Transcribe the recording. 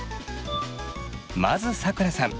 まずさくらさん。